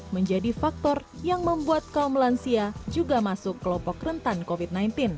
menjadi faktor yang membuat kaum lansia juga masuk kelompok rentan covid sembilan belas